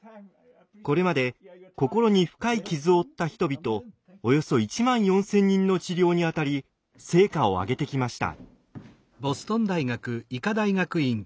これまで心に深い傷を負った人々およそ１万４，０００人の治療にあたり成果を上げてきました。